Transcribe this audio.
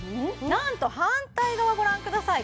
なんと反対側ご覧ください